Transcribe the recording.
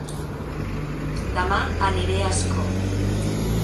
Dema aniré a Ascó